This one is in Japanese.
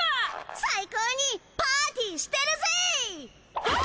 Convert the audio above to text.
最高にパーティしてるぜぇええ！